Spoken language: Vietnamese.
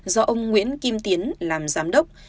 do ông nguyễn kim tiến làm giám đốc